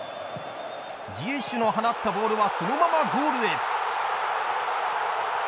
ジエシュの放ったボールはそのままゴールへ。